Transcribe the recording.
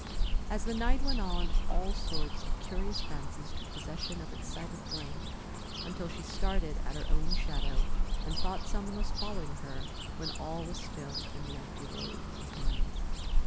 As the night went on, all sorts of curious fancies took possession of her excited brain, until she started at her own shadow, and thought some one was following her when all was still in the empty road behind.